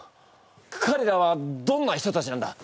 かれらはどんな人たちなんだ？